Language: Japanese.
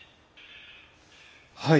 はい。